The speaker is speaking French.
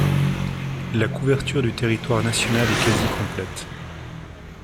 La couverture du territoire national est quasi complète.